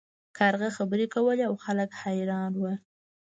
کارغه خبرې کولې او خلک حیران وو.